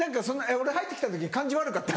俺入って来た時感じ悪かった？